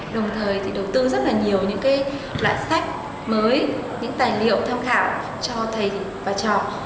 đồng thời thì đầu tư rất là nhiều những loại sách mới những tài liệu tham khảo cho thầy và trò